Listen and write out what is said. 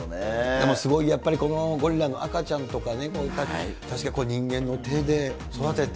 でもすごいやっぱり、このゴリラの赤ちゃんとかね、確か、人間の手で育てて、